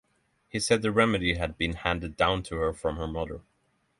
He said the remedy had been handed down to her from her mother.